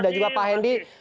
dan juga pak hendi